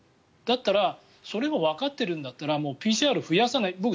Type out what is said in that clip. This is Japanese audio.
だったらそれがわかっているんだったらＰＣＲを増やさない。